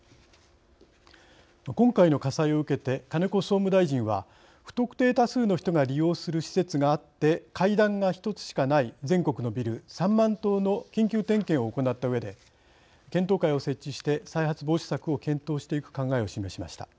今回の火災を受けて金子総務大臣は不特定多数の人が利用する施設があって階段が１つしかない全国のビル３万棟の緊急点検を行ったうえで検討会を設置して再発防止策を検討していく考えを示しました。